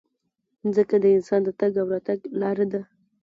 مځکه د انسان د تګ او راتګ لاره ده.